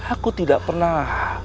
aku tidak pernah